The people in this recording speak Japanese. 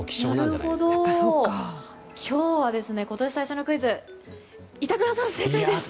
今日は、今年最初のクイズ板倉さん、正解です。